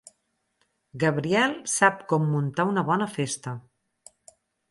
Gabriel sap com muntar una bona festa.